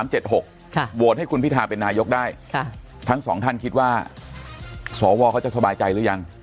โหวตให้คุณพิทาเป็นนายกได้ทั้งสองท่านคิดว่าสวเขาจะสบายใจหรือยัง